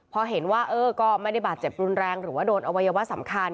พอเห็นว่าเออก็ไม่ได้บาดเจ็บรุนแรงหรือว่าโดนอวัยวะสำคัญ